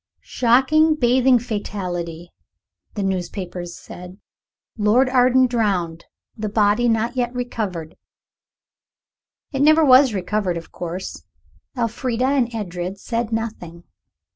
"Shocking bathing fatality," the newspapers said. "Lord Arden drowned. The body not yet recovered." It never was recovered, of course. Elfrida and Edred said nothing.